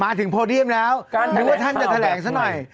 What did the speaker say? ถึงโพเดียมแล้วนึกว่าท่านจะแถลงซะหน่อย